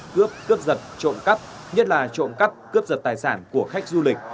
cướp giật trộn cắp nhất là trộn cắp cướp giật tài sản của khách du lịch